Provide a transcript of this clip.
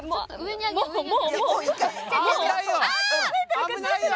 危ないよ！